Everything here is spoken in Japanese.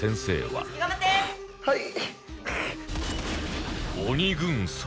はい。